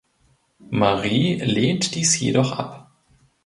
Marie lehnt dies jedoch ab.